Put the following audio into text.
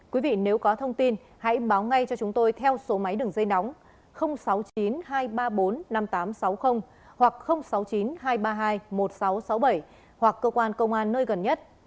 quý vị nếu có thông tin hãy báo ngay cho chúng tôi theo số máy đường dây nóng sáu mươi chín hai trăm ba mươi bốn năm nghìn tám trăm sáu mươi hoặc sáu mươi chín hai trăm ba mươi hai một nghìn sáu trăm sáu mươi bảy hoặc cơ quan công an nơi gần nhất